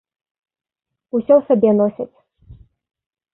Усё ў сабе носяць.